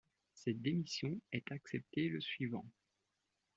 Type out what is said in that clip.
Cette démission est acceptée le suivant.